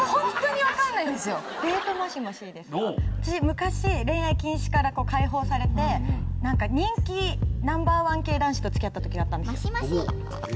昔恋愛禁止から解放されて人気Ｎｏ．１系男子と付き合った時があったんですよ。